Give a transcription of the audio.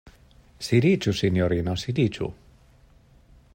Sidiĝu, sinjorino, sidiĝu!